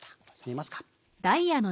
見えますか？